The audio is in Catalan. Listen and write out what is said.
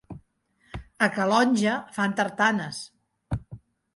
A Calonge fan tartanes.